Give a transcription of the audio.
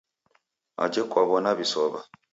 Ajhe kwaw'o naw'isow'a